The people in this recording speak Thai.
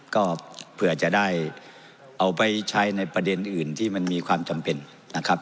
ก็เผื่อจะได้เอาไปใช้ในประเด็นอื่นที่มันมีความจำเป็นนะครับ